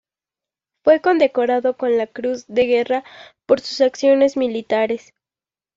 Fue condecorado con la Cruz de Guerra por sus acciones militares.